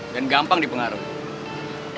dan gampang dipengaruhi